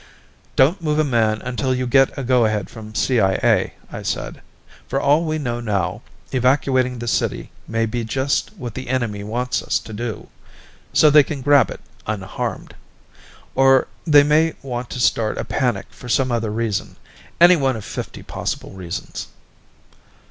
"Don't move a man until you get a go ahead from CIA," I said. "For all we know now, evacuating the city may be just what the enemy wants us to do so they can grab it unharmed. Or they may want to start a panic for some other reason, any one of fifty possible reasons."